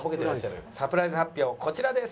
「サプライズ発表こちらです」。